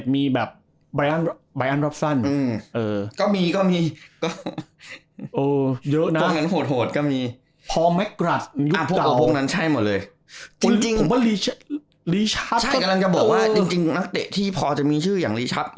มีแบบบรยาลแบบ